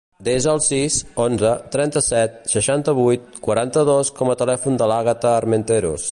Desa el sis, onze, trenta-set, seixanta-vuit, quaranta-dos com a telèfon de l'Àgata Armenteros.